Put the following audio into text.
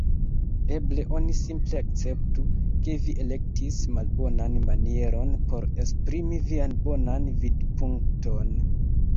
Eble oni simple akceptu, ke vi elektis malbonan manieron por esprimi vian bonan vidpunkton.